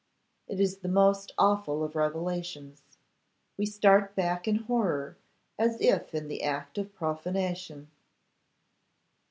It is the most awful of revelations. We start back in horror, as if in the act of profanation.